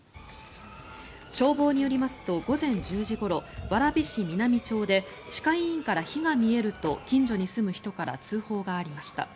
消防によりますと午前１０時ごろ蕨市南町で歯科医院から火が見えると近所に住む人から通報がありました。